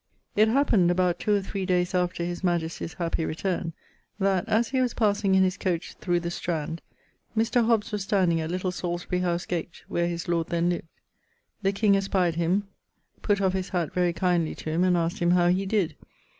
It happened, about two or three dayes after his majestie's happy returne, that, as he was passing in his coach through the Strand, Mr. Hobbes was standing at Little Salisbury house gate (where his lord then lived). The king espied him, putt of his hatt very kindly to him, and asked him how he did.